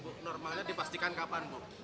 normalnya dipastikan kapan